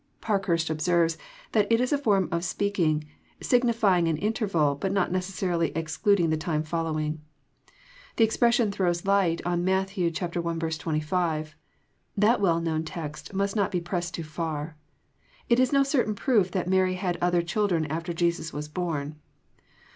Parkhnrst observes that it is a form of speaking, *' signifying an interyal, but not necessarily exclading the time following." The expres sion throws light on Matt. 1. 25. That well known text must not be pressed too far. It is no certain proof that Mary had other children after Jesus was born.